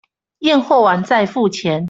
驗貨完再付錢